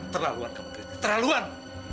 terlaluan kamu kata terlaluan